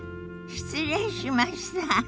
失礼しました。